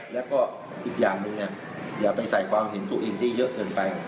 แล้วก็อีกอย่างหนึ่งอย่าไปใส่ความเห็นตัวเองที่เยอะเกินไป